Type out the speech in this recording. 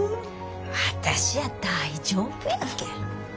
私は大丈夫やけん。